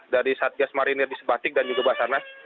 dari satgas marinir di sebatik dan juga basarnas